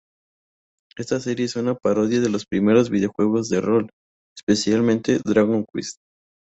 Esta serie es una parodia de los primeros videojuegos de rol, especialmente Dragon Quest.